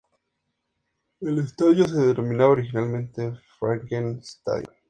El estadio se denominaba originalmente Frankenn-Stadion.